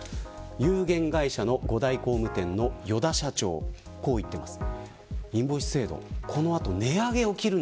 有限会社の五大工務店の依田社長はこう言っています。